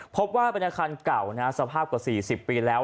พบว่าเป็นอาคารเก่าสภาพกว่า๔๐ปีแล้ว